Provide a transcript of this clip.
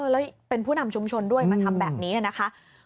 แล้วเป็นผู้นำชุมชนด้วยมาทำแบบนี้นะคะ